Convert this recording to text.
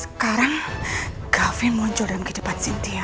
sekarang gavin muncul dalam kehidupan cynthia